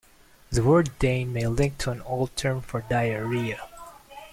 The word Dane may link to an old term for diarrhoea.